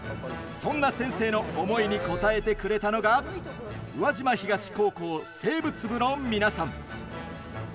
そんな先生の思いに応えてくれたのが宇和島東高校生物部の皆さん。